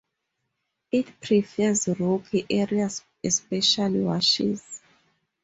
It prefers rocky areas, especially washes.